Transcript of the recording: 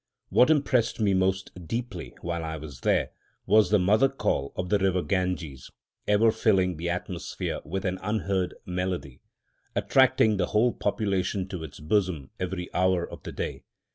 What impressed me most deeply, while I was there, was the mother call of the river Ganges, ever filling the atmosphere with an "unheard melody," attracting the whole population to its bosom every hour of the day.